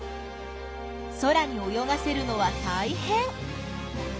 空に泳がせるのはたいへん！